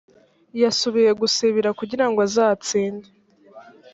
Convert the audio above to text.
yasubiye gusibira kugirango azatsinde